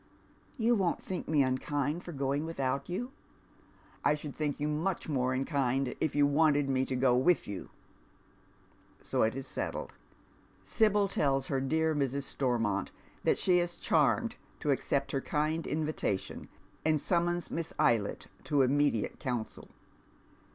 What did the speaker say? " You won't think me unkind for going without you ?"" I should tliink you much more unkind if you wanted me to go with you." So it is settled. Sibyl tells her dear Mrs. Stormont that she in charmed to accept her kind invitation, and summorir* Mi.ss Eylct to immediate counsel.